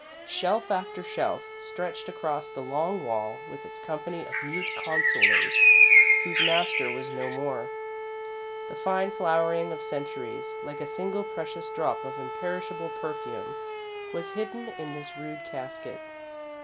Shelf after shelf stretched across the long wall, with its company of mute consolers whose master was no more. The fine flowering of the centuries, like a single precious drop of imperishable perfume, was hidden in this rude casket.